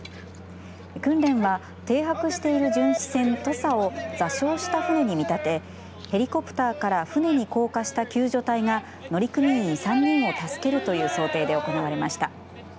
訓練は停泊している巡視船とさを座礁した船に見立ててヘリコプターから船に降下した救助隊が乗組員３人を助けるという想定で行われました。